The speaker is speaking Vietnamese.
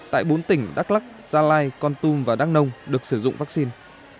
tại bốn tỉnh đắk lắk gia lai con tum và đăng nông được sử dụng vaccine